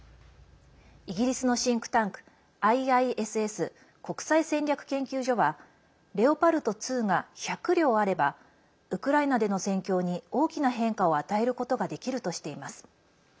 イギリスのシンクタンクＩＩＳＳ＝国際戦略研究所はレオパルト２が１００両あればウクライナでの戦況に大きな変化を与えることができるとしています。